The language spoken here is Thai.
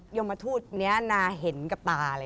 ยมทูตนี้นาเห็นกับตาเลย